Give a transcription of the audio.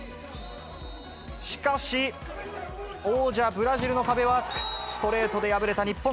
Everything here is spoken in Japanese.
しかし、王者、ブラジルの壁は厚く、ストレートで敗れた日本。